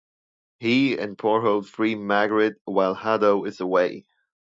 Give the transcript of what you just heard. He and Porhoet free Margaret while Haddo is away.